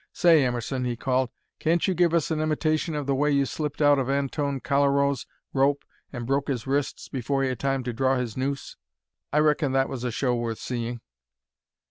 Say, Emerson," he called, "can't you give us an imitation of the way you slipped out of Antone Colorow's rope and broke his wrists before he had time to draw his noose? I reckon that was a show sure worth seeing."